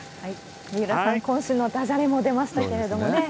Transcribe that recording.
三浦さん、今週のだじゃれも出ましたけれどもね。